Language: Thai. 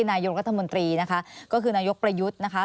นายกรัฐมนตรีนะคะก็คือนายกประยุทธ์นะคะ